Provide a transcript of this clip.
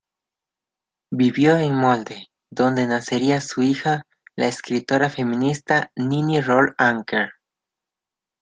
Vivió en Molde, donde nacería su hija, la escritora feminista Nini Roll Anker.